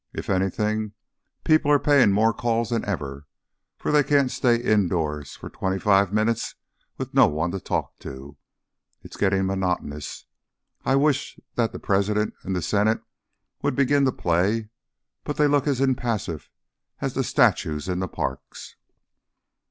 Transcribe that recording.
If anything, people are paying more calls than ever, for they can't stay indoors for twenty five minutes with no one to talk to. It is getting monotonous. I wish that the President and the Senate would begin to play, but they look as impassive as the statues in the parks."